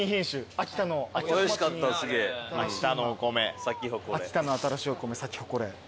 秋田の新しいお米サキホコレ。